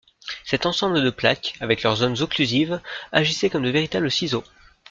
Cet ensemble de plaques avec leurs zones occlusives agissaient comme de véritables ciseaux.